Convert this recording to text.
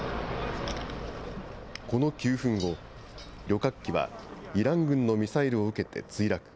この９分後、旅客機はイラン軍のミサイルを受けて墜落。